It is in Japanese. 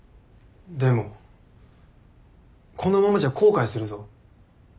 でもこのままじゃ後悔するぞ。